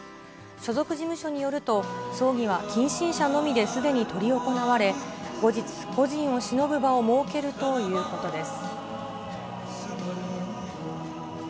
所属事務所によると、葬儀は近親者のみですでに執り行われ、後日、故人をしのぶ場を設けるということです。